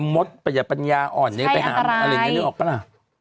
มดปัญญาอ่อนไปหาอะไรอย่างนี้ออกปะนะ